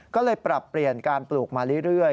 ก็เลยปรับเปลี่ยนการปลูกมาเรื่อย